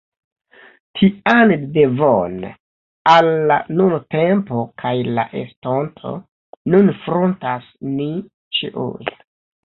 Tian devon, al la nuntempo kaj la estonto, nun frontas ni ĉiuj.